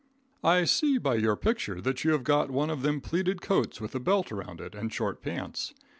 I see by your picture that you have got one of them pleated coats with a belt around it, and short pants.